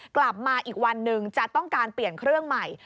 กลับมาอีกวันหนึ่งจะต้องการเปลี่ยนเครื่องใหม่